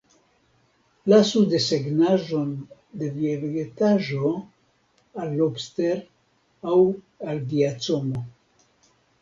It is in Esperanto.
Lasu desegnaĵon de via vegetaĵo al Lobster aŭ al Giacomo.